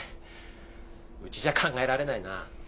うちじゃ考えられないな。